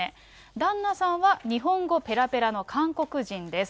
旦那さんは日本語ぺらぺらの韓国人です。